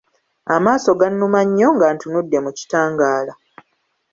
Amaaso gannuma nnyo nga ntunudde mu kitangaala.